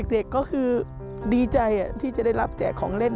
เด็กก็คือดีใจที่จะได้รับแจกของเล่น